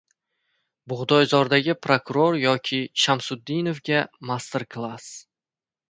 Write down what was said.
Bug‘doyzordagi prokuror yoki Shamsutdinovga «master-klass»!